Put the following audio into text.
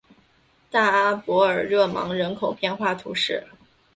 大阿伯尔热芒人口变化图示